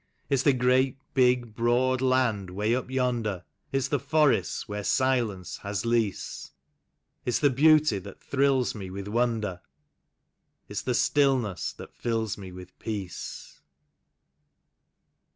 It's the great, big, broad land 'way up yonder, It's the forests where silence has lease; It's the beauty that thrills me with wonder. It's the stillness that fills me with peace.